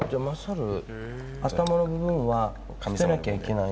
頭の部分は捨てなきゃいけない。